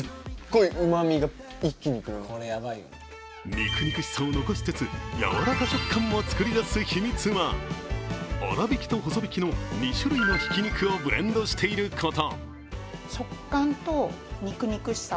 肉肉しさを残しつつ柔らか食感も作り出す秘密は粗びきと細びきの２種類のひき肉をブレンドしていること。